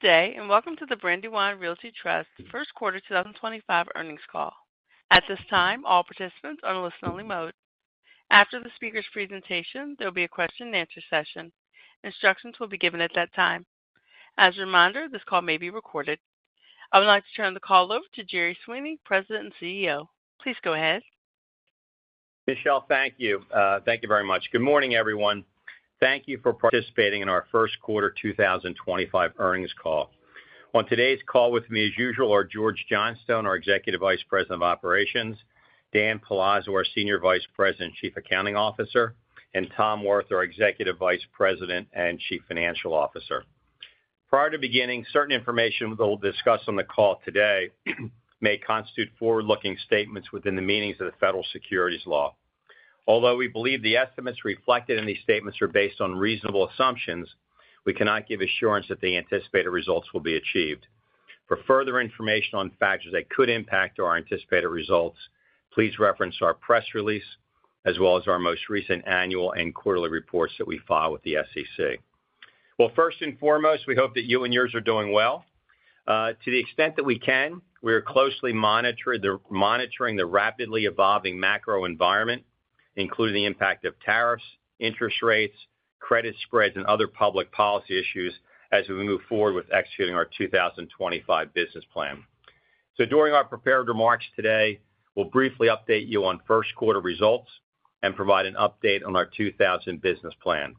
Good day, and welcome to the Brandywine Realty Trust Q1 2025 earnings call. At this time, all participants are in a listen-only mode. After the speaker's presentation, there will be a question-and-answer session. Instructions will be given at that time. As a reminder, this call may be recorded. I would like to turn the call over to Gerard Sweeney, President and CEO. Please go ahead. Michelle, thank you. Thank you very much. Good morning, everyone. Thank you for participating in our Q1 2025 earnings call. On today's call with me, as usual, are George Johnstone, our Executive Vice President of Operations; Dan Palazzo, our Senior Vice President and Chief Accounting Officer; and Tom Wirth, our Executive Vice President and Chief Financial Officer. Prior to beginning, certain information we'll discuss on the call today may constitute forward-looking statements within the meanings of the federal securities law. Although we believe the estimates reflected in these statements are based on reasonable assumptions, we cannot give assurance that the anticipated results will be achieved. For further information on factors that could impact our anticipated results, please reference our press release as well as our most recent annual and quarterly reports that we file with the SEC. First and foremost, we hope that you and yours are doing well. To the extent that we can, we are closely monitoring the rapidly evolving macro environment, including the impact of tariffs, interest rates, credit spreads, and other public policy issues as we move forward with executing our 2025 business plan. During our prepared remarks today, we will briefly update you on first-quarter results and provide an update on our 2025 business plan.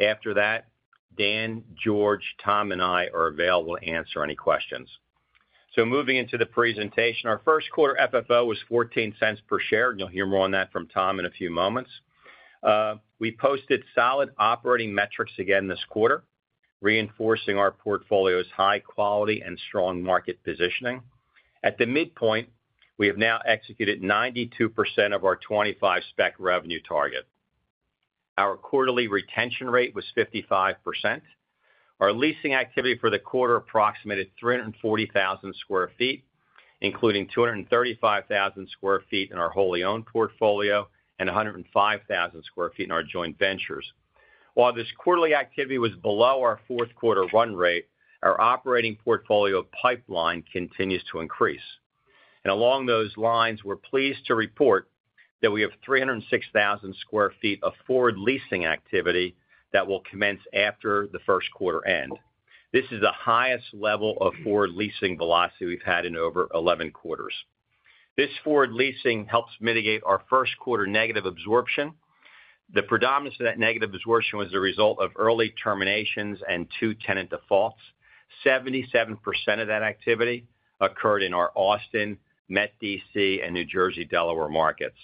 After that, Dan, George, Tom, and I are available to answer any questions. Moving into the presentation, our Q1 FFO was $0.14 per share, and you will hear more on that from Tom in a few moments. We posted solid operating metrics again this quarter, reinforcing our portfolio's high quality and strong market positioning. At the midpoint, we have now executed 92% of our 2025 Spec revenue target. Our quarterly retention rate was 55%. Our leasing activity for the quarter approximated 340,000 sq ft, including 235,000 sq ft in our wholly owned portfolio and 105,000 sq ft in our joint ventures. While this quarterly activity was below our fourth-quarter run rate, our operating portfolio pipeline continues to increase. Along those lines, we're pleased to report that we have 306,000 sq ft of forward leasing activity that will commence after the first quarter end. This is the highest level of forward leasing velocity we've had in over 11 quarters. This forward leasing helps mitigate our Q1 negative absorption. The predominance of that negative absorption was the result of early terminations and two tenant defaults. 77% of that activity occurred in our Austin, Metro DC, and New Jersey-Delaware markets.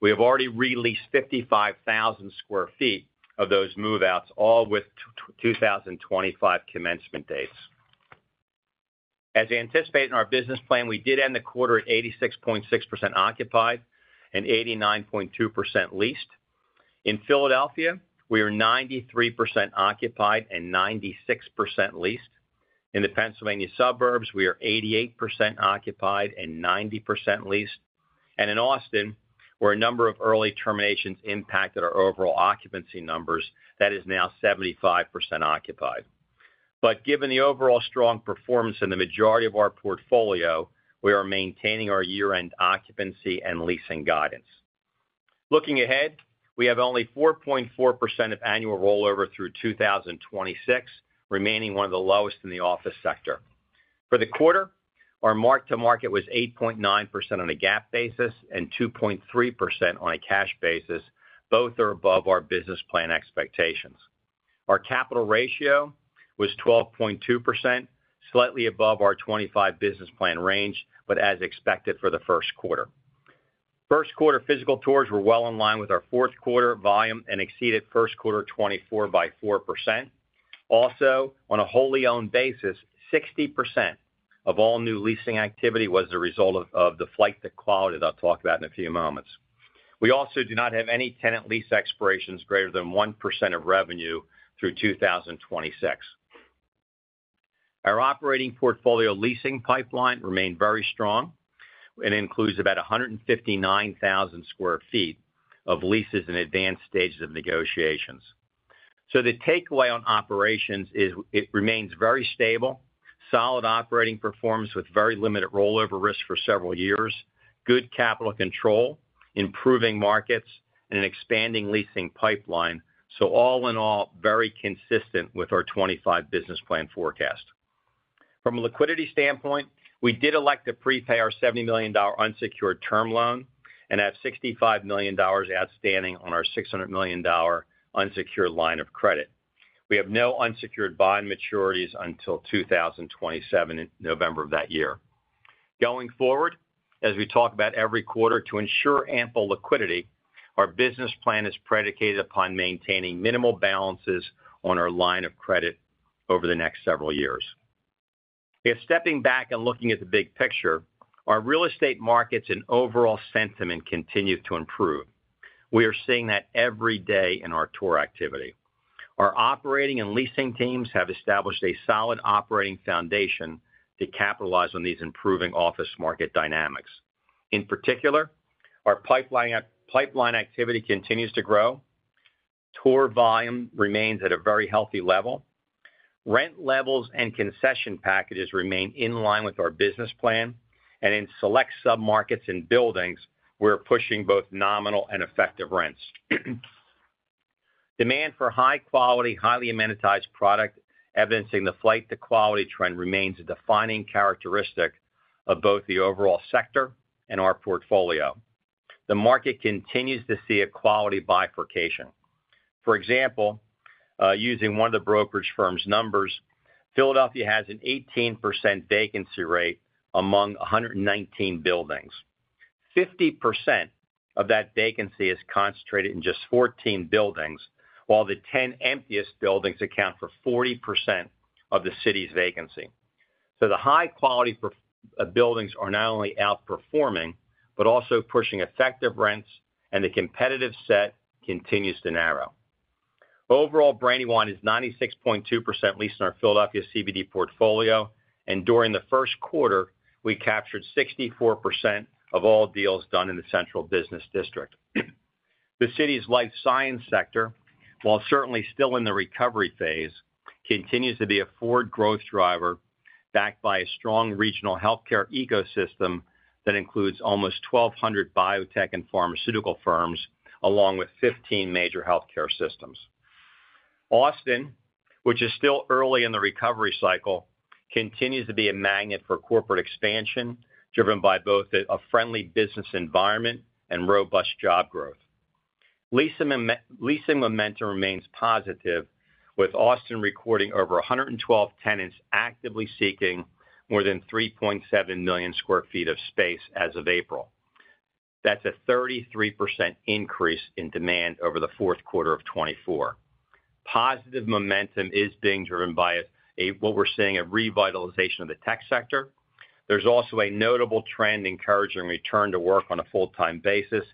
We have already released 55,000 sq ft of those move-outs, all with 2025 commencement dates. As we anticipate in our business plan, we did end the quarter at 86.6% occupied and 89.2% leased. In Philadelphia, we are 93% occupied and 96% leased. In the Pennsylvania suburbs, we are 88% occupied and 90% leased. In Austin, where a number of early terminations impacted our overall occupancy numbers, that is now 75% occupied. Given the overall strong performance in the majority of our portfolio, we are maintaining our year-end occupancy and leasing guidance. Looking ahead, we have only 4.4% of annual rollover through 2026, remaining one of the lowest in the office sector. For the quarter, our mark-to-market was 8.9% on a GAAP basis and 2.3% on a cash basis. Both are above our business plan expectations. Our capital ratio was 12.2%, slightly above our 2025 business plan range, but as expected for the first quarter. Q1 physical tours were well in line with our Q4 volume and exceeded Q1 2024 by 4%. Also, on a wholly owned basis, 60% of all new leasing activity was the result of the flight to quality that I'll talk about in a few moments. We also do not have any tenant lease expirations greater than 1% of revenue through 2026. Our operating portfolio leasing pipeline remained very strong. It includes about 159,000 sq ft of leases in advanced stages of negotiations. The takeaway on operations is it remains very stable, solid operating performance with very limited rollover risk for several years, good capital control, improving markets, and an expanding leasing pipeline. All in all, very consistent with our 2025 business plan forecast. From a liquidity standpoint, we did elect to prepay our $70 million unsecured term loan and have $65 million outstanding on our $600 million unsecured line of credit. We have no unsecured bond maturities until 2027, November of that year. Going forward, as we talk about every quarter, to ensure ample liquidity, our business plan is predicated upon maintaining minimal balances on our line of credit over the next several years. Stepping back and looking at the big picture, our real estate markets and overall sentiment continue to improve. We are seeing that every day in our tour activity. Our operating and leasing teams have established a solid operating foundation to capitalize on these improving office market dynamics. In particular, our pipeline activity continues to grow. Tour volume remains at a very healthy level. Rent levels and concession packages remain in line with our business plan. In select submarkets and buildings, we're pushing both nominal and effective rents. Demand for high-quality, highly amenitized product, evidencing the flight to quality trend, remains a defining characteristic of both the overall sector and our portfolio. The market continues to see a quality bifurcation. For example, using one of the brokerage firm's numbers, Philadelphia has an 18% vacancy rate among 119 buildings. 50% of that vacancy is concentrated in just 14 buildings, while the 10 emptiest buildings account for 40% of the city's vacancy. The high-quality buildings are not only outperforming but also pushing effective rents, and the competitive set continues to narrow. Overall, Brandywine is 96.2% leased in our Philadelphia CBD portfolio. During the first quarter, we captured 64% of all deals done in the Central Business District. The city's life science sector, while certainly still in the recovery phase, continues to be a forward growth driver backed by a strong regional healthcare ecosystem that includes almost 1,200 biotech and pharmaceutical firms, along with 15 major healthcare systems. Austin, which is still early in the recovery cycle, continues to be a magnet for corporate expansion driven by both a friendly business environment and robust job growth. Leasing momentum remains positive, with Austin recording over 112 tenants actively seeking more than 3.7 million sq ft of space as of April. That's a 33% increase in demand over the fourth quarterQ4 of 2024. Positive momentum is being driven by what we're seeing: a revitalization of the tech sector. There's also a notable trend encouraging return to work on a full-time basis.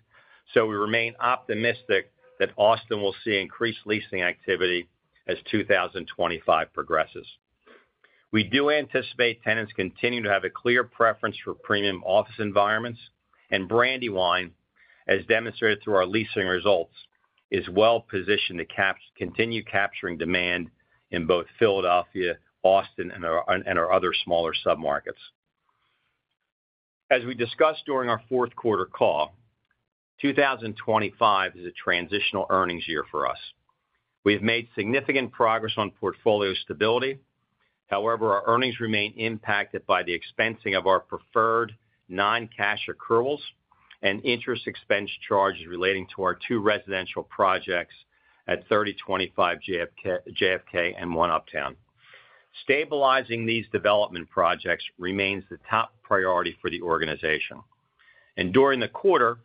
We remain optimistic that Austin will see increased leasing activity as 2025 progresses. We do anticipate tenants continuing to have a clear preference for premium office environments. Brandywine, as demonstrated through our leasing results, is well positioned to continue capturing demand in both Philadelphia, Austin, and our other smaller submarkets. As we discussed during our Q4 call, 2025 is a transitional earnings year for us. We have made significant progress on portfolio stability. However, our earnings remain impacted by the expensing of our preferred non-cash accruals and interest expense charges relating to our two residential projects at 3025 JFK and One Uptown. Stabilizing these development projects remains the top priority for the organization. During the quarter,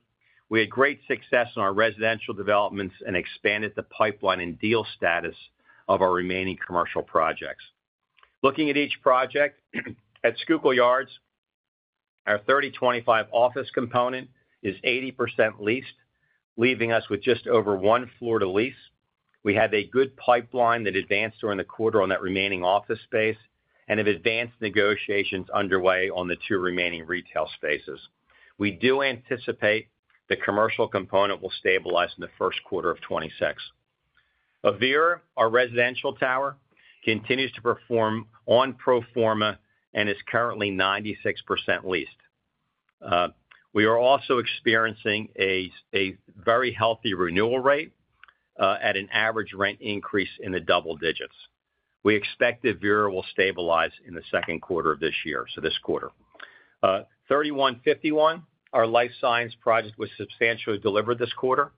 we had great success in our residential developments and expanded the pipeline and deal status of our remaining commercial projects. Looking at each project, at Schuylkill Yards, our 3025 office component is 80% leased, leaving us with just over one floor to lease. We have a good pipeline that advanced during the quarter on that remaining office space and have advanced negotiations underway on the two remaining retail spaces. We do anticipate the commercial component will stabilize in the first quarter of 2026. Avira, our residential tower, continues to perform on pro forma and is currently 96% leased. We are also experiencing a very healthy renewal rate at an average rent increase in the double digits. We expect Avira will stabilize in the second quarter of this year, so this quarter. 3151, our life science project, was substantially delivered this quarter.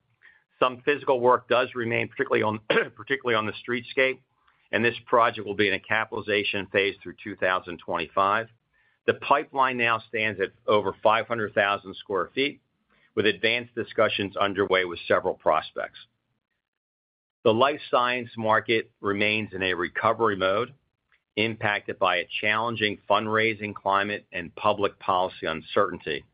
Some physical work does remain, particularly on the streetscape, and this project will be in a capitalization phase through 2025. The pipeline now stands at over 500,000 sq ft, with advanced discussions underway with several prospects. The life science market remains in a recovery mode, impacted by a challenging fundraising climate and public policy uncertainty.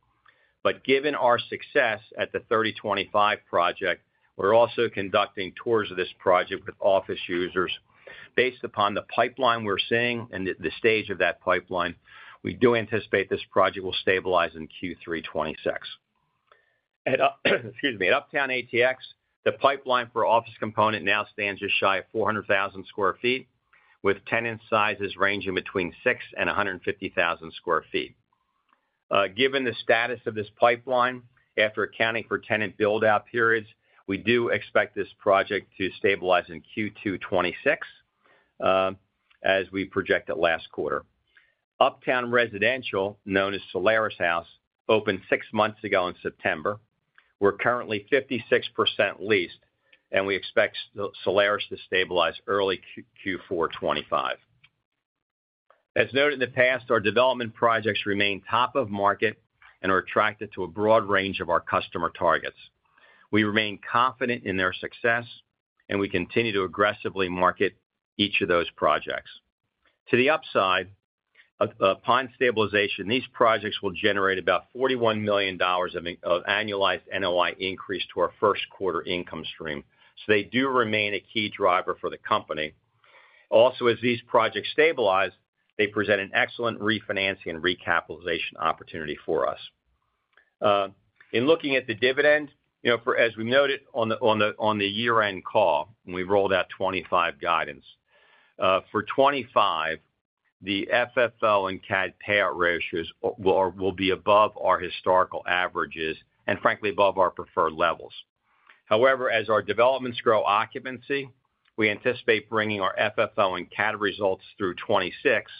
Given our success at the 3025 project, we're also conducting tours of this project with office users. Based upon the pipeline we're seeing and the stage of that pipeline, we do anticipate this project will stabilize in Q3 2026. Excuse me. At Uptown ATX, the pipeline for office component now stands just shy of 400,000 sq ft, with tenant sizes ranging between 6 and 150,000 sq ft. Given the status of this pipeline, after accounting for tenant build-out periods, we do expect this project to stabilize in Q2 2026, as we projected last quarter. Uptown Residential, known as Solaris House, opened six months ago in September. We're currently 56% leased, and we expect Solaris to stabilize early Q4 2025. As noted in the past, our development projects remain top of market and are attracted to a broad range of our customer targets. We remain confident in their success, and we continue to aggressively market each of those projects. To the upside, upon stabilization, these projects will generate about $41 million of annualized NOI increase to our Q1 income stream. They do remain a key driver for the company. Also, as these projects stabilize, they present an excellent refinancing and recapitalization opportunity for us. In looking at the dividend, as we noted on the year-end call, we rolled out 2025 guidance. For 2025, the FFO and CAD payout ratios will be above our historical averages and, frankly, above our preferred levels. However, as our developments grow occupancy, we anticipate bringing our FFO and CAD results through 2026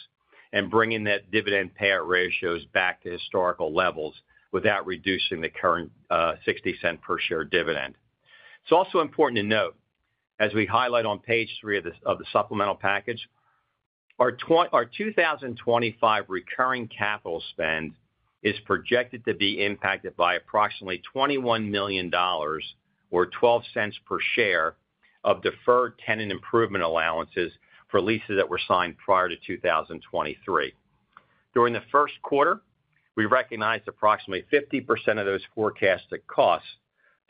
and bringing that dividend payout ratios back to historical levels without reducing the current $0.60 per share dividend. It's also important to note, as we highlight on page three of the supplemental package, our 2025 recurring capital spend is projected to be impacted by approximately $21 million, or $0.12 per share, of deferred tenant improvement allowances for leases that were signed prior to 2023. During the Q1, we recognized approximately 50% of those forecasted costs,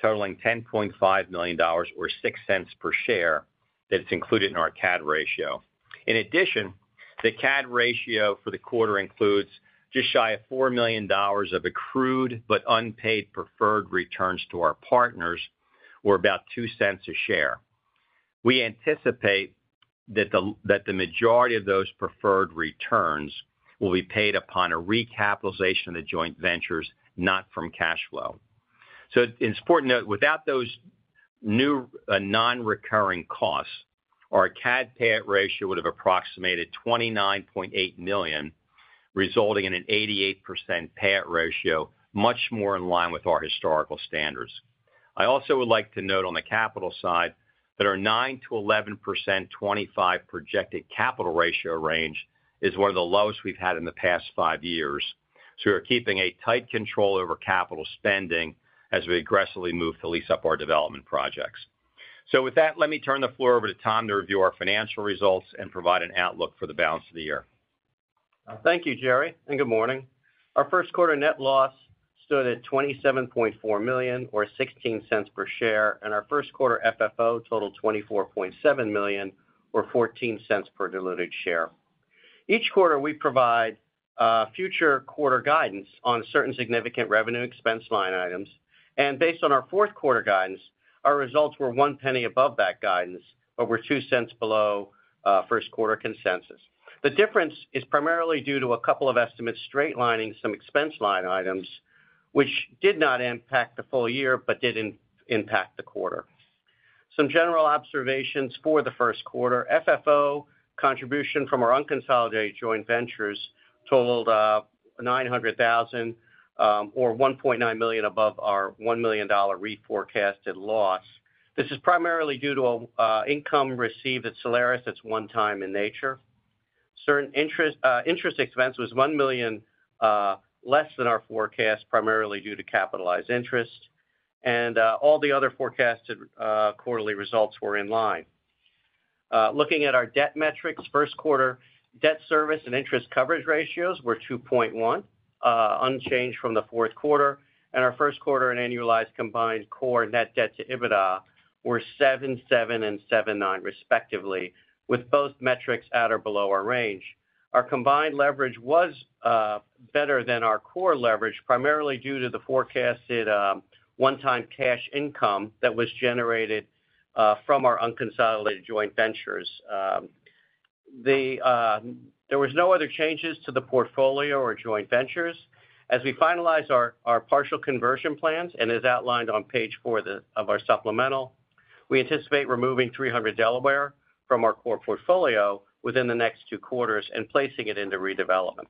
totaling $10.5 million, or $0.06 per share, that's included in our CAD ratio. In addition, the CAD ratio for the quarter includes just shy of $4 million of accrued but unpaid preferred returns to our partners, or about $0.02 a share. We anticipate that the majority of those preferred returns will be paid upon a recapitalization of the joint ventures, not from cash flow. It is important to note, without those new non-recurring costs, our CAD payout ratio would have approximated $29.8 million, resulting in an 88% payout ratio, much more in line with our historical standards. I also would like to note on the capital side that our 9-11% 2025 projected capital ratio range is one of the lowest we have had in the past five years. We are keeping a tight control over capital spending as we aggressively move to lease up our development projects. With that, let me turn the floor over to Tom to review our financial results and provide an outlook for the balance of the year. Thank you, Gerard. Good morning. Our Q1 net loss stood at $27.4 million, or $0.16 per share, and our Q1 FFO totaled $24.7 million, or $0.14 per diluted share. Each quarter, we provide future quarter guidance on certain significant revenue expense line items. Based on our Q4 guidance, our results were one penny above that guidance, but we are two cents below Q1 consensus. The difference is primarily due to a couple of estimates straightlining some expense line items, which did not impact the full year but did impact the quarter. Some general observations for the Q1: FFO contribution from our unconsolidated joint ventures totaled $900,000, or $1.9 million above our $1 million reforecasted loss. This is primarily due to income received at Solaris that is one-time in nature. Interest expense was $1 million less than our forecast, primarily due to capitalized interest. All the other forecasted quarterly results were in line. Looking at our debt metrics, Q1 debt service and interest coverage ratios were 2.1, unchanged from the Q4. Our Q1 and annualized combined core net debt to EBITDA were 7.7 and 7.9, respectively, with both metrics at or below our range. Our combined leverage was better than our core leverage, primarily due to the forecasted one-time cash income that was generated from our unconsolidated joint ventures. There were no other changes to the portfolio or joint ventures. As we finalize our partial conversion plans, and as outlined on page four of our supplemental, we anticipate removing 300 Delaware from our core portfolio within the next Q2 and placing it into redevelopment.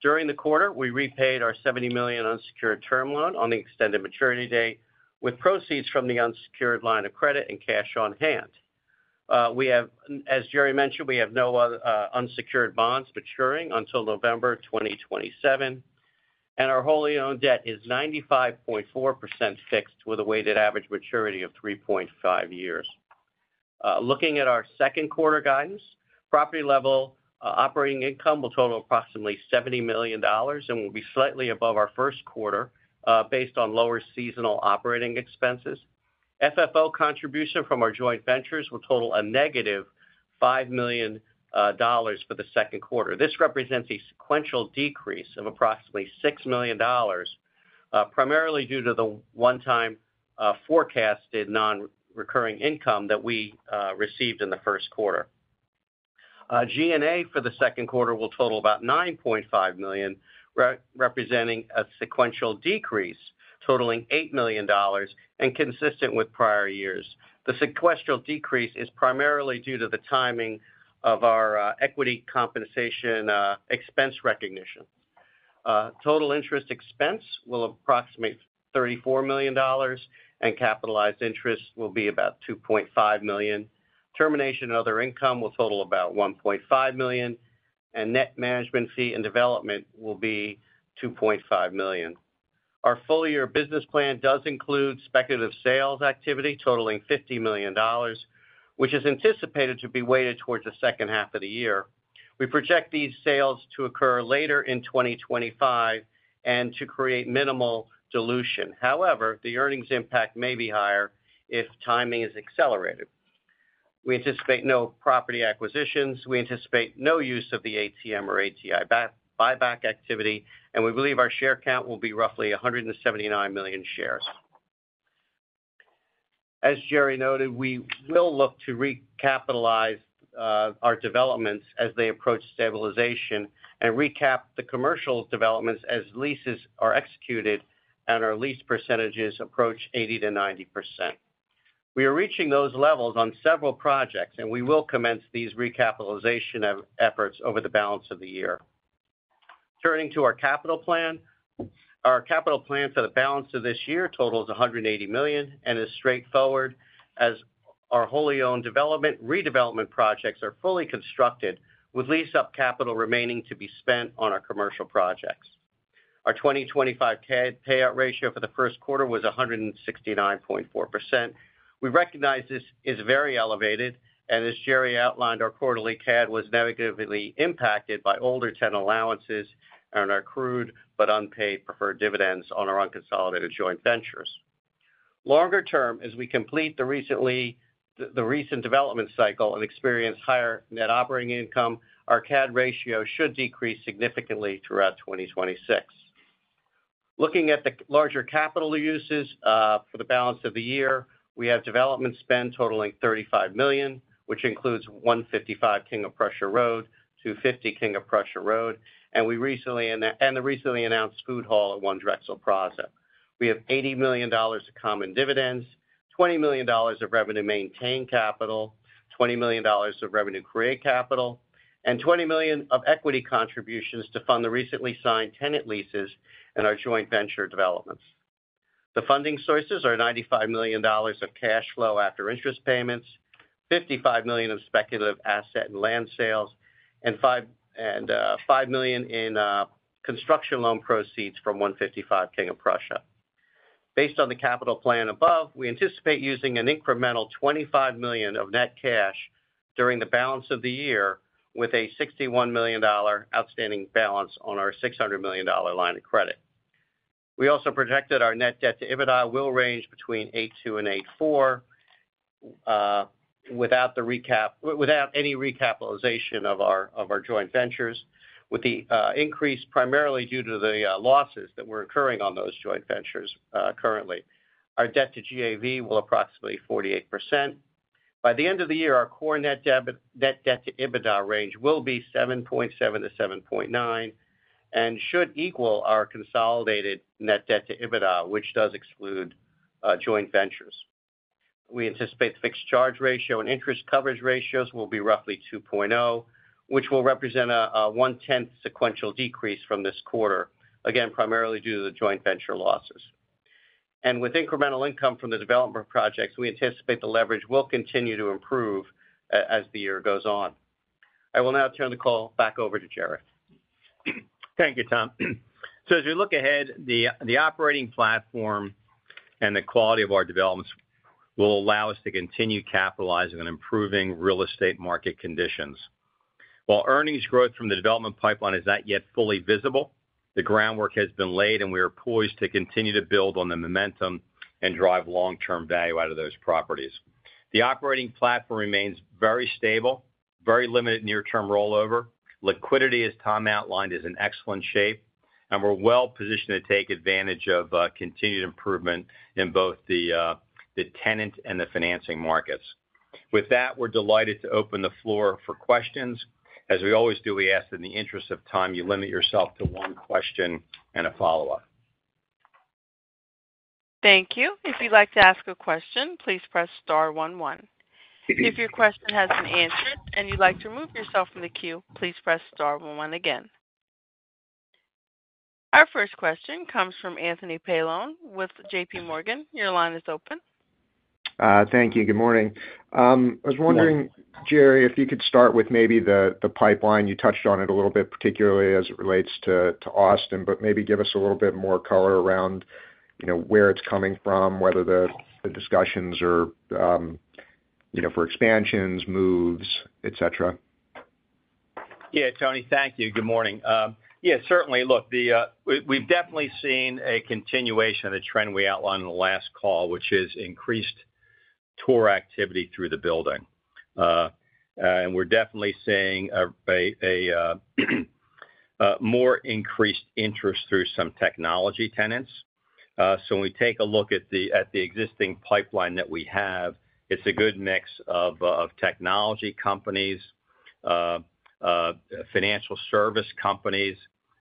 During the quarter, we repaid our $70 million unsecured term loan on the extended maturity date with proceeds from the unsecured line of credit and cash on hand. As Jerry mentioned, we have no unsecured bonds maturing until November 2027. Our wholly owned debt is 95.4% fixed with a weighted average maturity of 3.5 years. Looking at our second quarter guidance, property-level operating income will total approximately $70 million and will be slightly above our Q1 based on lower seasonal operating expenses. FFO contribution from our joint ventures will total a negative $5 million for the Q2. This represents a sequential decrease of approximately $6 million, primarily due to the one-time forecasted non-recurring income that we received in the first quarter. G&A for the second quarter will total about $9.5 million, representing a sequential decrease totaling $8 million and consistent with prior years. The sequesteral decrease is primarily due to the timing of our equity compensation expense recognition. Total interest expense will approximate $34 million, and capitalized interest will be about $2.5 million. Termination and other income will total about $1.5 million, and net management fee and development will be $2.5 million. Our full-year business plan does include speculative sales activity totaling $50 million, which is anticipated to be weighted towards the second half of the year. We project these sales to occur later in 2025 and to create minimal dilution. However, the earnings impact may be higher if timing is accelerated. We anticipate no property acquisitions. We anticipate no use of the ATM or ATI buyback activity, and we believe our share count will be roughly 179 million shares. As Jerry noted, we will look to recapitalize our developments as they approach stabilization and recap the commercial developments as leases are executed and our lease percentages approach 80-90%. We are reaching those levels on several projects, and we will commence these recapitalization efforts over the balance of the year. Turning to our capital plan, our capital plan for the balance of this year totals $180 million and is straightforward, as our wholly owned development redevelopment projects are fully constructed, with lease-up capital remaining to be spent on our commercial projects. Our 2025 CAD payout ratio for the Q1 was 169.4%. We recognize this is very elevated, and as Jerry outlined, our quarterly CAD was negatively impacted by older tenant allowances and our accrued but unpaid preferred dividends on our unconsolidated joint ventures. Longer term, as we complete the recent development cycle and experience higher net operating income, our CAD ratio should decrease significantly throughout 2026. Looking at the larger capital uses for the balance of the year, we have development spend totaling $35 million, which includes 155 King of Prussia Road to 250 King of Prussia Road, and the recently announced Food Hall at One Drexel Plaza. We have $80 million of common dividends, $20 million of revenue maintained capital, $20 million of revenue create capital, and $20 million of equity contributions to fund the recently signed tenant leases and our joint venture developments. The funding sources are $95 million of cash flow after interest payments, $55 million of speculative asset and land sales, and $5 million in construction loan proceeds from 155 King of Prussia. Based on the capital plan above, we anticipate using an incremental $25 million of net cash during the balance of the year, with a $61 million outstanding balance on our $600 million line of credit. We also projected our net debt to EBITDA will range between 8.2 and 8.4 without any recapitalization of our joint ventures, with the increase primarily due to the losses that were occurring on those joint ventures currently. Our debt to GAV will be approximately 48%. By the end of the year, our core net debt to EBITDA range will be 7.7-7.9 and should equal our consolidated net debt to EBITDA, which does exclude joint ventures. We anticipate the fixed charge ratio and interest coverage ratios will be roughly 2.0, which will represent a one-tenth sequential decrease from this quarter, again, primarily due to the joint venture losses. With incremental income from the development projects, we anticipate the leverage will continue to improve as the year goes on. I will now turn the call back over to Gerard. Thank you, Tom. As we look ahead, the operating platform and the quality of our developments will allow us to continue capitalizing on improving real estate market conditions. While earnings growth from the development pipeline is not yet fully visible, the groundwork has been laid, and we are poised to continue to build on the momentum and drive long-term value out of those properties. The operating platform remains very stable, very limited near-term rollover. Liquidity, as Tom outlined, is in excellent shape, and we're well positioned to take advantage of continued improvement in both the tenant and the financing markets. With that, we're delighted to open the floor for questions. As we always do, we ask that in the interest of time, you limit yourself to one question and a follow-up. Thank you. If you'd like to ask a question, please press star 11. If your question has been answered and you'd like to remove yourself from the queue, please press star 11 again. Our first question comes from Anthony Paolone with JPMorgan. Your line is open. Thank you. Good morning. I was wondering, Gerard, if you could start with maybe the pipeline. You touched on it a little bit, particularly as it relates to Austin, but maybe give us a little bit more color around where it's coming from, whether the discussions are for expansions, moves, etc. Yeah, Tony, thank you. Good morning. Yeah, certainly. Look, we've definitely seen a continuation of the trend we outlined in the last call, which is increased tour activity through the building. We're definitely seeing a more increased interest through some technology tenants. When we take a look at the existing pipeline that we have, it's a good mix of technology companies, financial service companies,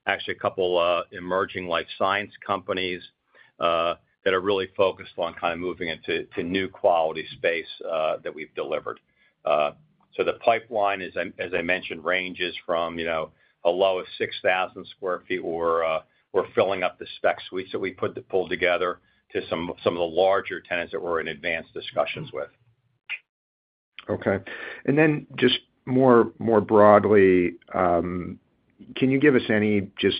actually a couple of emerging life science companies that are really focused on kind of moving into new quality space that we've delivered. The pipeline, as I mentioned, ranges from a low of 6,000 sq ft, or we're filling up the spec suites that we pulled together, to some of the larger tenants that we're in advanced discussions with. Okay. Just more broadly, can you give us any just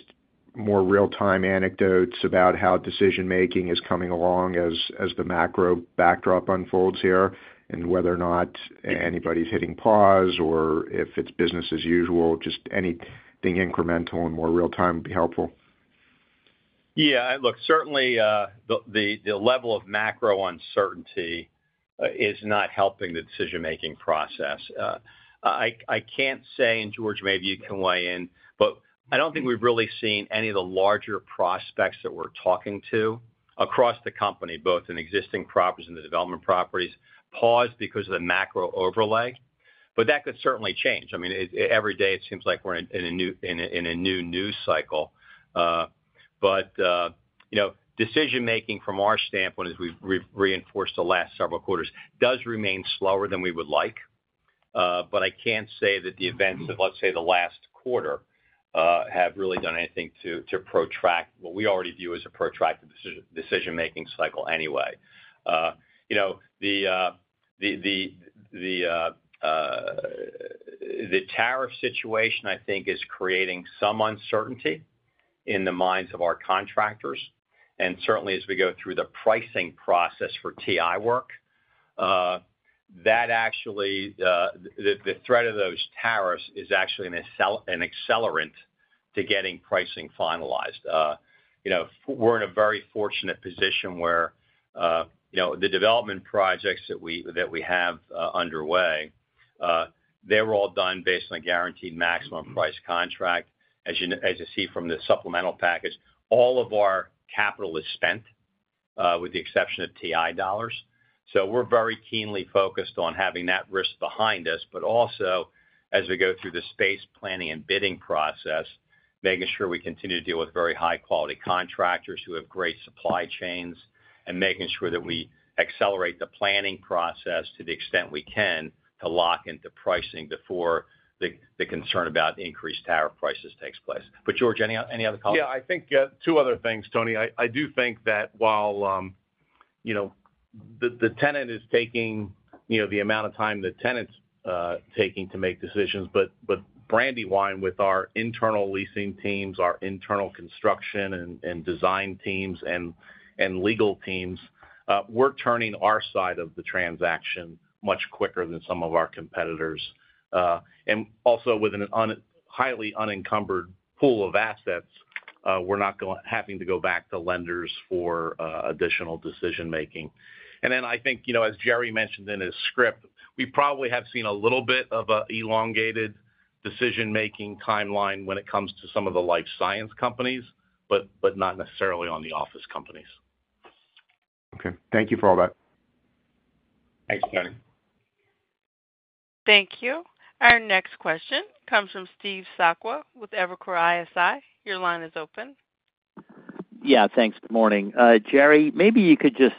more real-time anecdotes about how decision-making is coming along as the macro backdrop unfolds here, and whether or not anybody's hitting pause, or if it's business as usual, just anything incremental and more real-time would be helpful? Yeah. Look, certainly the level of macro uncertainty is not helping the decision-making process. I can't say, and George, maybe you can weigh in, but I don't think we've really seen any of the larger prospects that we're talking to across the company, both in existing properties and the development properties, pause because of the macro overlay. That could certainly change. I mean, every day it seems like we're in a new news cycle. Decision-making from our standpoint, as we've reinforced the last several quarters, does remain slower than we would like. I can't say that the events of, let's say, the last quarter have really done anything to protract what we already view as a protracted decision-making cycle anyway. The tariff situation, I think, is creating some uncertainty in the minds of our contractors. Certainly, as we go through the pricing process for TI work, the threat of those tariffs is actually an accelerant to getting pricing finalized. We are in a very fortunate position where the development projects that we have underway, they were all done based on a guaranteed maximum price contract. As you see from the supplemental package, all of our capital is spent with the exception of TI dollars. We are very keenly focused on having that risk behind us, but also, as we go through the space planning and bidding process, making sure we continue to deal with very high-quality contractors who have great supply chains, and making sure that we accelerate the planning process to the extent we can to lock into pricing before the concern about increased tariff prices takes place. George, any other comments? Yeah. I think two other things, Tony. I do think that while the tenant is taking the amount of time the tenant's taking to make decisions, Brandywine with our internal leasing teams, our internal construction and design teams, and legal teams, we're turning our side of the transaction much quicker than some of our competitors. Also, with a highly unencumbered pool of assets, we're not having to go back to lenders for additional decision-making. I think, as Jerry mentioned in his script, we probably have seen a little bit of an elongated decision-making timeline when it comes to some of the life science companies, but not necessarily on the office companies. Okay. Thank you for all that. Thanks, Anthony. Thank you. Our next question comes from Steve Sakwa with Evercore ISI. Your line is open. Yeah. Thanks. Good morning. Gerard, maybe you could just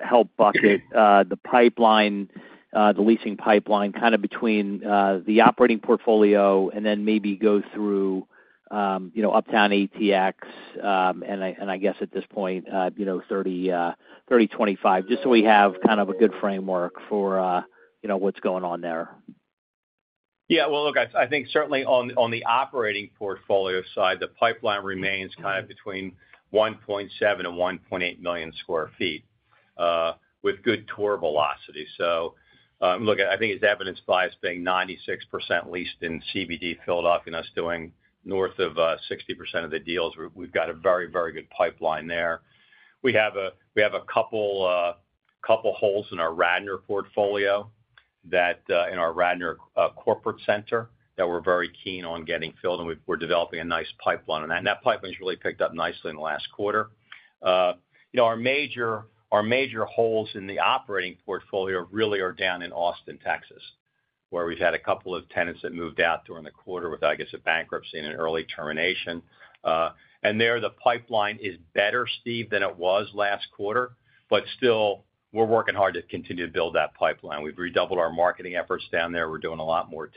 help bucket the leasing pipeline kind of between the operating portfolio and then maybe go through Uptown ATX, and I guess at this point, 3025, just so we have kind of a good framework for what's going on there. Yeah. I think certainly on the operating portfolio side, the pipeline remains kind of between 1.7 and 1.8 million sq ft with good tour velocity. I think it's evidenced by us being 96% leased in CBD Philadelphia, and us doing north of 60% of the deals. We've got a very, very good pipeline there. We have a couple of holes in our Radnor portfolio and our Radnor Corporate Center that we're very keen on getting filled, and we're developing a nice pipeline on that. That pipeline has really picked up nicely in the last quarter. Our major holes in the operating portfolio really are down in Austin, Texas, where we've had a couple of tenants that moved out during the quarter with, I guess, a bankruptcy and an early termination. There, the pipeline is better, Steve, than it was last quarter, but still, we're working hard to continue to build that pipeline. We've redoubled our marketing efforts down there. We're doing a lot more,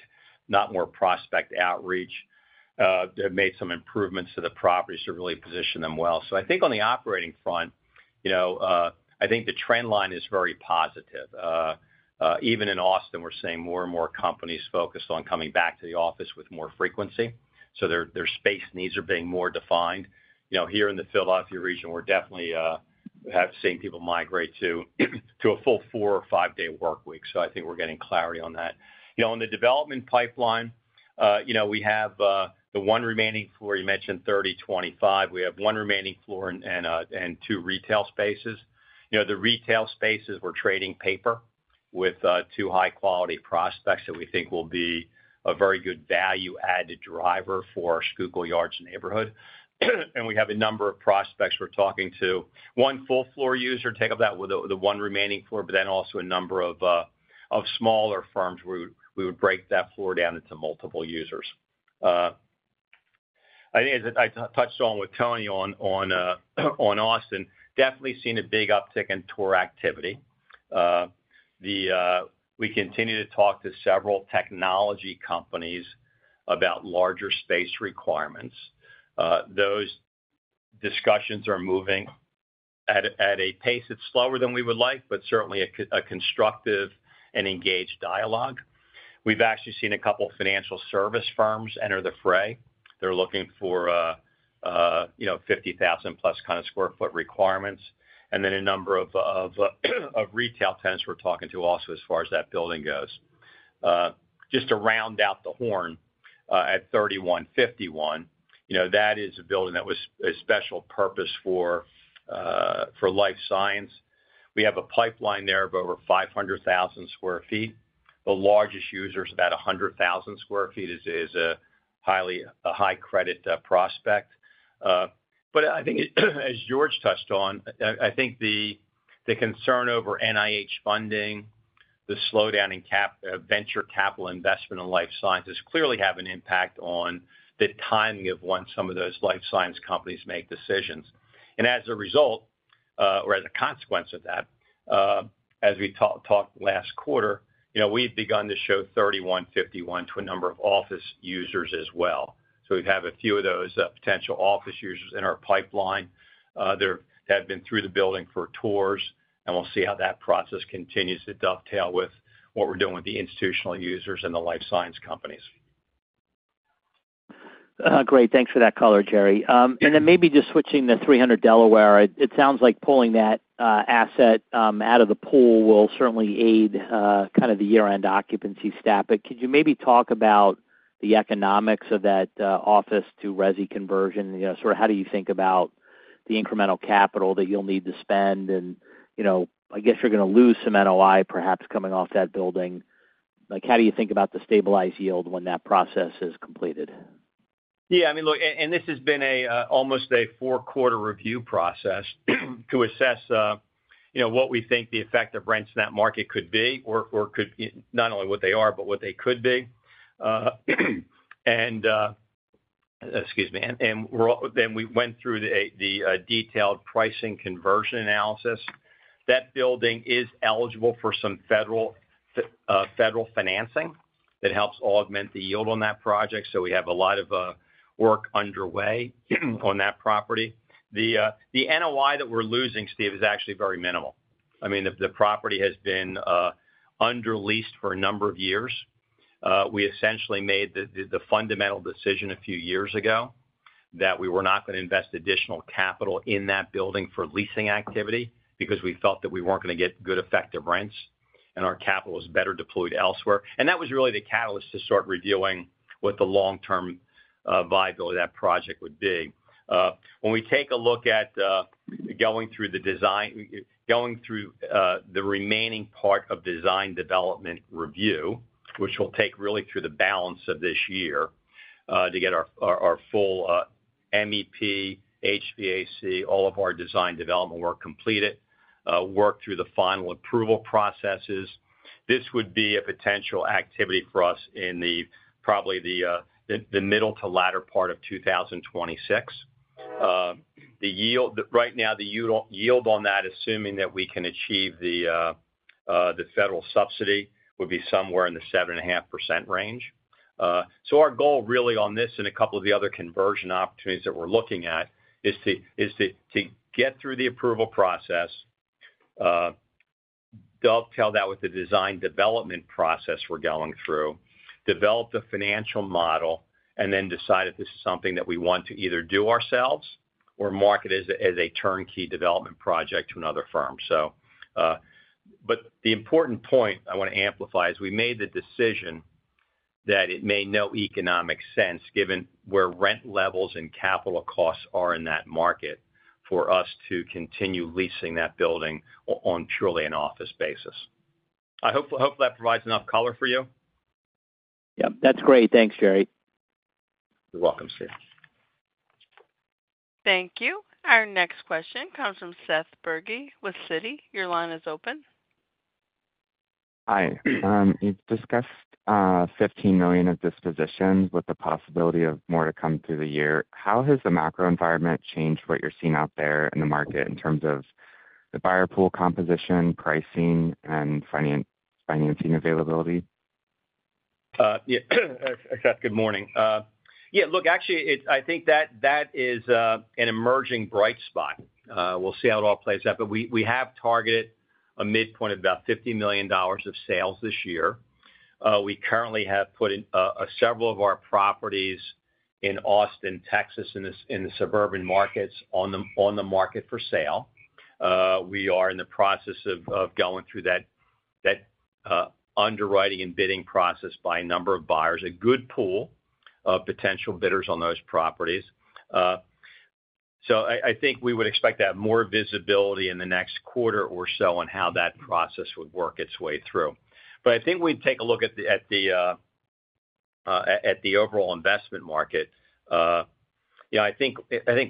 not more prospect outreach. They've made some improvements to the properties to really position them well. I think on the operating front, I think the trend line is very positive. Even in Austin, we're seeing more and more companies focused on coming back to the office with more frequency. Their space needs are being more defined. Here in the Philadelphia region, we're definitely seeing people migrate to a full four or five-day workweek. I think we're getting clarity on that. On the development pipeline, we have the one remaining floor you mentioned, 3025. We have one remaining floor and two retail spaces. The retail spaces, we're trading paper with two high-quality prospects that we think will be a very good value-added driver for Schuylkill Yards neighborhood. We have a number of prospects we're talking to. One full-floor user would take up that one remaining floor, but then also a number of smaller firms where we would break that floor down into multiple users. I think, as I touched on with Anthony on Austin, definitely seeing a big uptick in tour activity. We continue to talk to several technology companies about larger space requirements. Those discussions are moving at a pace that's slower than we would like, but certainly a constructive and engaged dialogue. We've actually seen a couple of financial service firms enter the fray. They're looking for 50,000-plus kind of square foot requirements. And then a number of retail tenants we're talking to also as far as that building goes. Just to round out the horn at 3151, that is a building that was a special purpose for life science. We have a pipeline there of over 500,000 sq ft. The largest user is about 100,000 sq ft, is a high-credit prospect. I think, as George touched on, I think the concern over NIH funding, the slowdown in venture capital investment in life sciences clearly have an impact on the timing of when some of those life science companies make decisions. As a result, or as a consequence of that, as we talked last quarter, we've begun to show 3151 to a number of office users as well. We have a few of those potential office users in our pipeline that have been through the building for tours. We'll see how that process continues to dovetail with what we're doing with the institutional users and the life science companies. Great. Thanks for that color, Gerard. Maybe just switching to 300 Delaware, it sounds like pulling that asset out of the pool will certainly aid kind of the year-end occupancy stat. Could you maybe talk about the economics of that office to resi conversion? Sort of how do you think about the incremental capital that you'll need to spend? I guess you're going to lose some NOI perhaps coming off that building. How do you think about the stabilized yield when that process is completed? Yeah. I mean, look, this has been almost a four-quarter review process to assess what we think the effective rents in that market could be, or not only what they are, but what they could be. Excuse me. We went through the detailed pricing conversion analysis. That building is eligible for some federal financing that helps augment the yield on that project. We have a lot of work underway on that property. The NOI that we're losing, Steve, is actually very minimal. I mean, the property has been underleased for a number of years. We essentially made the fundamental decision a few years ago that we were not going to invest additional capital in that building for leasing activity because we felt that we were not going to get good effective rents, and our capital was better deployed elsewhere. That was really the catalyst to start revealing what the long-term viability of that project would be. When we take a look at going through the design, going through the remaining part of design development review, which will take really through the balance of this year to get our full MEP, HVAC, all of our design development work completed, work through the final approval processes, this would be a potential activity for us in probably the middle to latter part of 2026. Right now, the yield on that, assuming that we can achieve the federal subsidy, would be somewhere in the 7.5% range. Our goal really on this and a couple of the other conversion opportunities that we're looking at is to get through the approval process, dovetail that with the design development process we're going through, develop the financial model, and then decide if this is something that we want to either do ourselves or market as a turnkey development project to another firm. The important point I want to amplify is we made the decision that it made no economic sense given where rent levels and capital costs are in that market for us to continue leasing that building on purely an office basis. I hope that provides enough color for you. Yep. That's great. Thanks, Gerard. You're welcome, Steve. Thank you. Our next question comes from Seth Bergey with Citi. Your line is open. Hi. You've discussed $15 million of dispositions with the possibility of more to come through the year. How has the macro environment changed what you're seeing out there in the market in terms of the buyer pool composition, pricing, and financing availability? Yeah. Good morning. Yeah. Look, actually, I think that is an emerging bright spot. We'll see how it all plays out. We have targeted a midpoint of about $50 million of sales this year. We currently have put several of our properties in Austin, Texas, in the suburban markets on the market for sale. We are in the process of going through that underwriting and bidding process by a number of buyers, a good pool of potential bidders on those properties. I think we would expect to have more visibility in the next quarter or so on how that process would work its way through. I think we'd take a look at the overall investment market. I think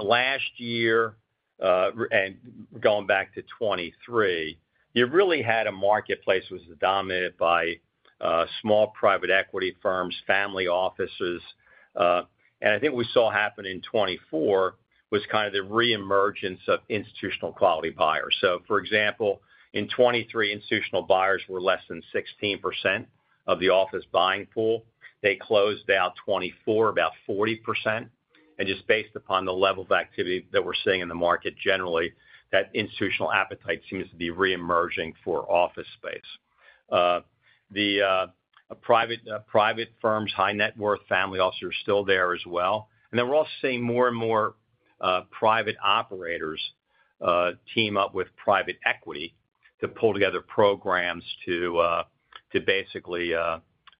last year, and going back to 2023, you really had a marketplace that was dominated by small private equity firms, family offices. I think what we saw happen in 2024 was kind of the reemergence of institutional quality buyers. For example, in 2023, institutional buyers were less than 16% of the office buying pool. They closed out 2024 about 40%. Just based upon the level of activity that we're seeing in the market generally, that institutional appetite seems to be reemerging for office space. The private firms, high-net-worth family offices are still there as well. We are also seeing more and more private operators team up with private equity to pull together programs to basically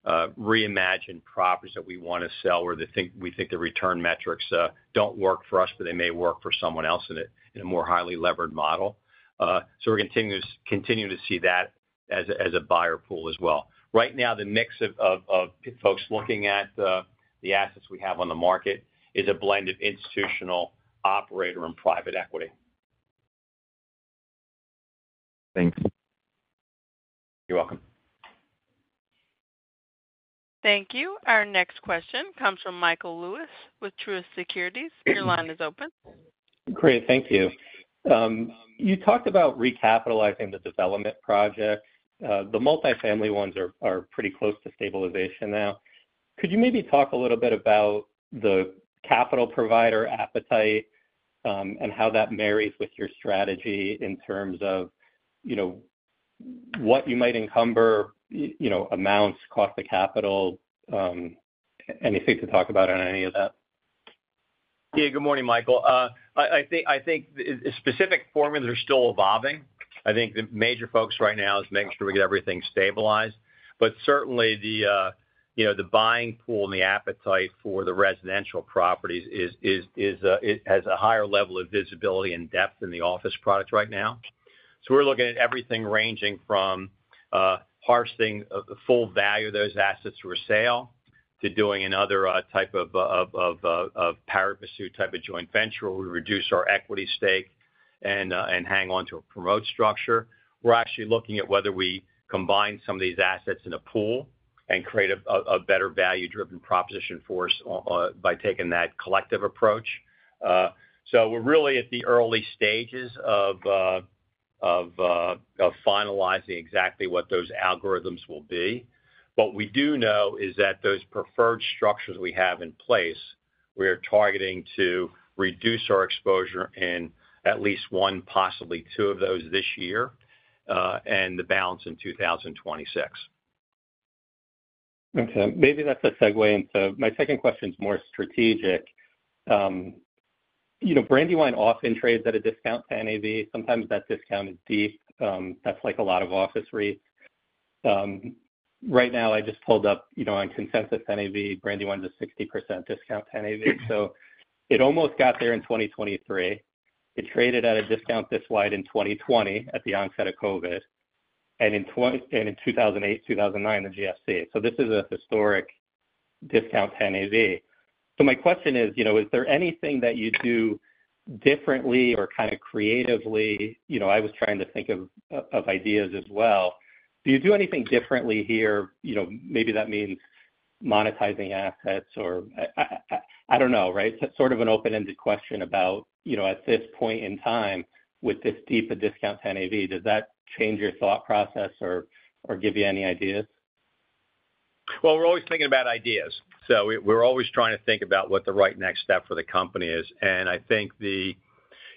reimagine properties that we want to sell where we think the return metrics do not work for us, but they may work for someone else in a more highly levered model. We are continuing to see that as a buyer pool as well. Right now, the mix of folks looking at the assets we have on the market is a blend of institutional, operator, and private equity. Thanks. You're welcome. Thank you. Our next question comes from Michael Lewis with Truist Securities. Your line is open. Great. Thank you. You talked about recapitalizing the development project. The multifamily ones are pretty close to stabilization now. Could you maybe talk a little bit about the capital provider appetite and how that marries with your strategy in terms of what you might encumber, amounts, cost of capital, anything to talk about on any of that? Yeah. Good morning, Michael. I think specific formulas are still evolving. I think the major focus right now is making sure we get everything stabilized. Certainly, the buying pool and the appetite for the residential properties has a higher level of visibility and depth than the office product right now. We are looking at everything ranging from harvesting full value of those assets through a sale to doing another type of para-pursuit type of joint venture where we reduce our equity stake and hang on to a promote structure. We're actually looking at whether we combine some of these assets in a pool and create a better value-driven proposition for us by taking that collective approach. So we're really at the early stages of finalizing exactly what those algorithms will be. What we do know is that those preferred structures we have in place, we are targeting to reduce our exposure in at least one, possibly two of those this year and the balance in 2026. Okay. Maybe that's a segue into my second question's more strategic. Brandywine often trades at a discount to NAV. Sometimes that discount is deep. That's like a lot of office REITs. Right now, I just pulled up on consensus NAV, Brandywine's a 60% discount to NAV. So it almost got there in 2023. It traded at a discount this wide in 2020 at the onset of COVID and in 2008, 2009, the GFC. This is a historic discount to NAV. My question is, is there anything that you do differently or kind of creatively? I was trying to think of ideas as well. Do you do anything differently here? Maybe that means monetizing assets or I do not know, right? Sort of an open-ended question about, at this point in time, with this deeper discount to NAV, does that change your thought process or give you any ideas? We are always thinking about ideas. We are always trying to think about what the right next step for the company is.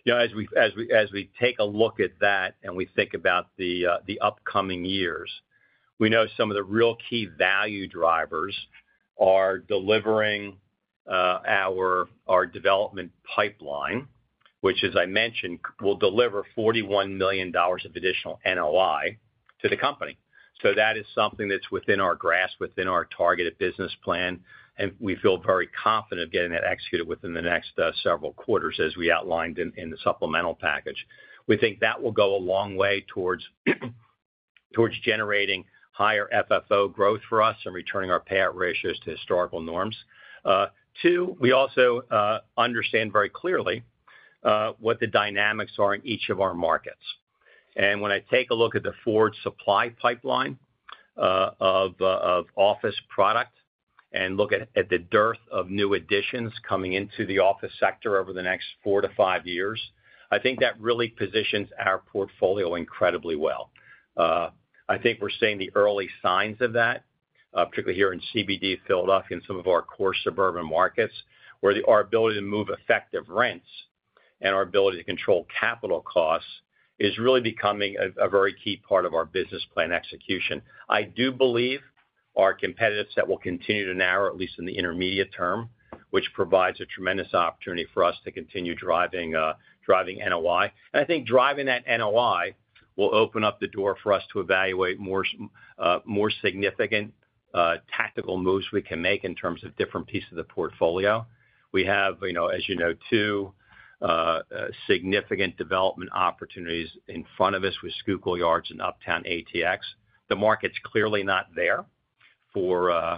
I think as we take a look at that and we think about the upcoming years, we know some of the real key value drivers are delivering our development pipeline, which, as I mentioned, will deliver $41 million of additional NOI to the company. That is something that's within our grasp, within our targeted business plan. We feel very confident of getting that executed within the next several quarters, as we outlined in the supplemental package. We think that will go a long way towards generating higher FFO growth for us and returning our payout ratios to historical norms. We also understand very clearly what the dynamics are in each of our markets. When I take a look at the forward supply pipeline of office product and look at the dearth of new additions coming into the office sector over the next four to five years, I think that really positions our portfolio incredibly well. I think we're seeing the early signs of that, particularly here in CBD, Philadelphia, and some of our core suburban markets, where our ability to move effective rents and our ability to control capital costs is really becoming a very key part of our business plan execution. I do believe our competitors that will continue to narrow, at least in the intermediate term, which provides a tremendous opportunity for us to continue driving NOI. I think driving that NOI will open up the door for us to evaluate more significant tactical moves we can make in terms of different pieces of the portfolio. We have, as you know, two significant development opportunities in front of us with Schuylkill Yards and Uptown ATX. The market's clearly not there for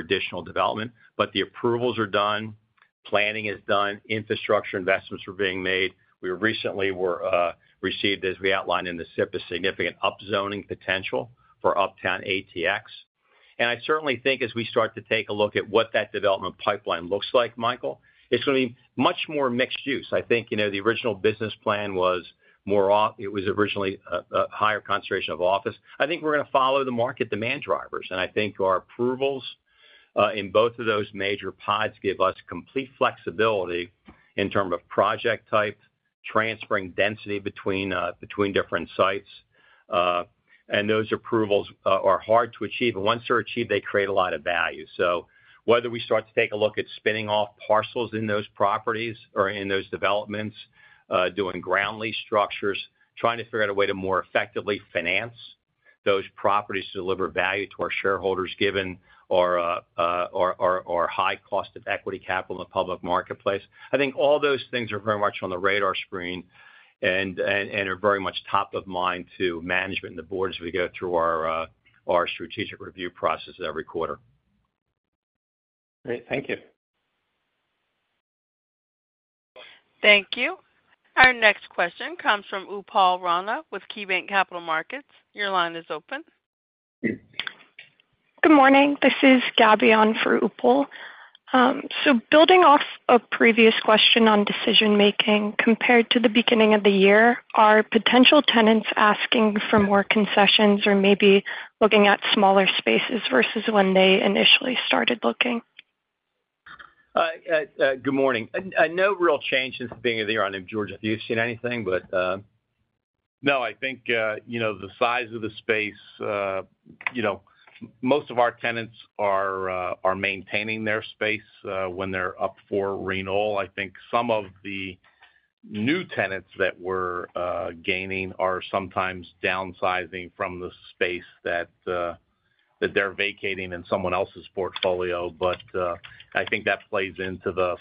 additional development, but the approvals are done, planning is done, infrastructure investments are being made. We recently received, as we outlined in the SIP, a significant upzoning potential for Uptown ATX. I certainly think as we start to take a look at what that development pipeline looks like, Michael, it's going to be much more mixed use. I think the original business plan was more of it was originally a higher concentration of office. I think we're going to follow the market demand drivers. I think our approvals in both of those major pods give us complete flexibility in terms of project type, transferring density between different sites. Those approvals are hard to achieve. Once they're achieved, they create a lot of value. Whether we start to take a look at spinning off parcels in those properties or in those developments, doing ground lease structures, trying to figure out a way to more effectively finance those properties to deliver value to our shareholders given our high cost of equity capital in the public marketplace, I think all those things are very much on the radar screen and are very much top of mind to management and the board as we go through our strategic review process every quarter. Great. Thank you. Thank you. Our next question comes from Upal Rana with KeyBank Capital Markets. Your line is open. Good morning. This is Gavin for Upaul. Building off a previous question on decision-making compared to the beginning of the year, are potential tenants asking for more concessions or maybe looking at smaller spaces versus when they initially started looking? Good morning. No real change since the beginning of the year. I don't know, George, if you've seen anything, but no, I think the size of the space, most of our tenants are maintaining their space when they're up for renewal. I think some of the new tenants that we're gaining are sometimes downsizing from the space that they're vacating in someone else's portfolio. I think that plays into the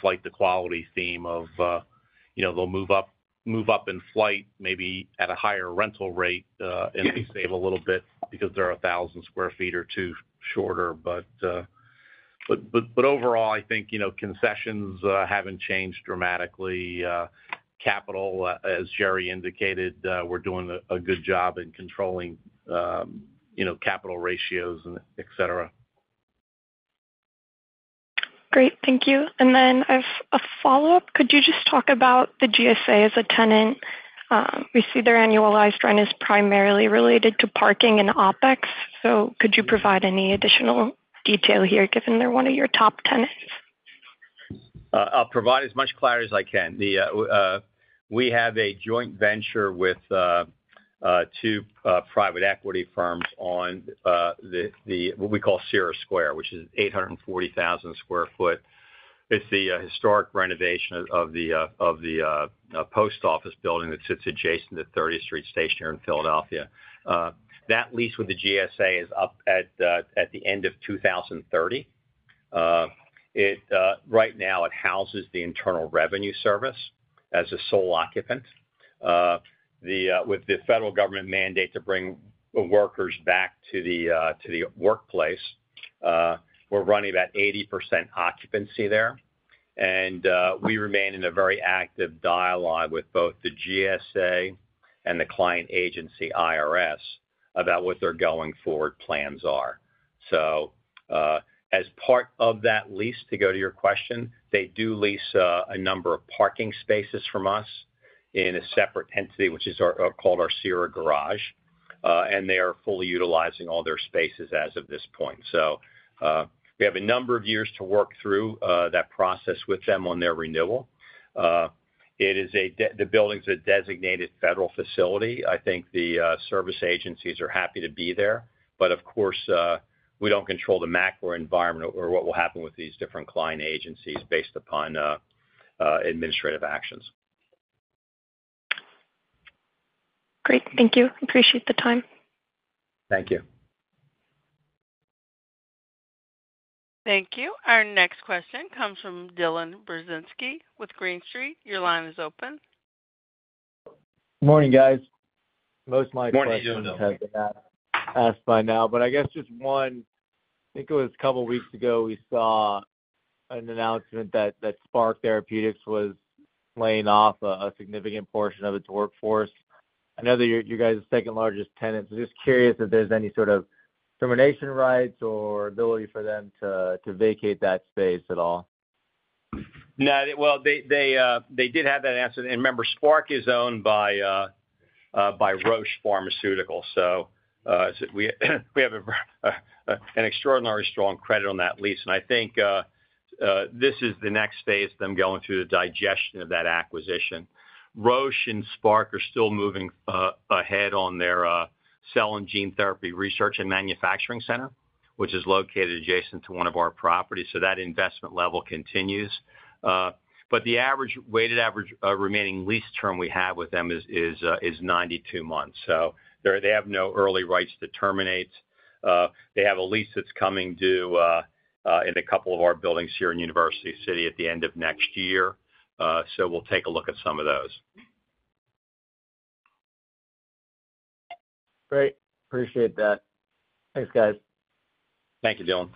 flight-to-quality theme of they'll move up in flight, maybe at a higher rental rate, and they save a little bit because they're 1,000 sq ft or two shorter. Overall, I think concessions haven't changed dramatically. Capital, as Gerard indicated, we're doing a good job in controlling capital ratios, etc. Great. Thank you. As a follow-up, could you just talk about the GSA as a tenant? We see their annualized rent is primarily related to parking and OpEx. Could you provide any additional detail here given they're one of your top tenants? I'll provide as much clarity as I can. We have a joint venture with two private equity firms on what we call Cira Square, which is 840,000 sq ft. It's the historic renovation of the post office building that sits adjacent to 30th Street Station here in Philadelphia. That lease with the GSA is up at the end of 2030. Right now, it houses the Internal Revenue Service as a sole occupant. With the federal government mandate to bring workers back to the workplace, we're running about 80% occupancy there. We remain in a very active dialogue with both the GSA and the client agency, IRS, about what their going forward plans are. As part of that lease, to go to your question, they do lease a number of parking spaces from us in a separate entity, which is called our Cira Garage. They are fully utilizing all their spaces as of this point. We have a number of years to work through that process with them on their renewal. The building is a designated federal facility. I think the service agencies are happy to be there. Of course, we do not control the macro environment or what will happen with these different client agencies based upon administrative actions. Great. Thank you. Appreciate the time. Thank you. Thank you. Our next question comes from Dylan Burzinski with Green Street. Your line is open. Morning, guys. Most of my questions have been asked by now. I guess just one, I think it was a couple of weeks ago, we saw an announcement that Spark Therapeutics was laying off a significant portion of its workforce. I know that you guys are the second largest tenant. Just curious if there's any sort of termination rights or ability for them to vacate that space at all. No. They did have that answer. Remember, Spark is owned by Roche Pharmaceuticals. We have an extraordinarily strong credit on that lease. I think this is the next phase of them going through the digestion of that acquisition. Roche and Spark are still moving ahead on their cell and gene therapy research and manufacturing center, which is located adjacent to one of our properties. That investment level continues. The weighted average remaining lease term we have with them is 92 months. They have no early rights to terminate. They have a lease that's coming due in a couple of our buildings here in University City at the end of next year. We'll take a look at some of those. Great. Appreciate that. Thanks, guys. Thank you, Dylan.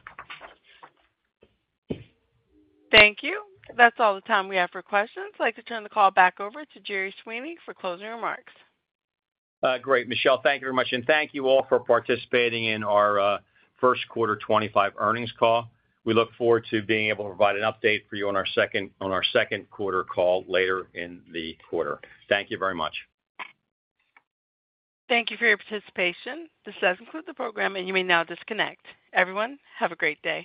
Thank you. That's all the time we have for questions. I'd like to turn the call back over to Gerard Sweeney for closing remarks. Great. Michelle, thank you very much. And thank you all for participating in our Q1 2025 earnings call. We look forward to being able to provide an update for you on our Q2 call later in the quarter. Thank you very much. Thank you for your participation. This does include the program, and you may now disconnect. Everyone, have a great day.